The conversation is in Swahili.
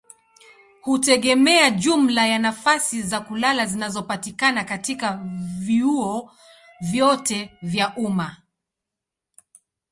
hutegemea jumla ya nafasi za kulala zinazopatikana katika vyuo vyote vya umma.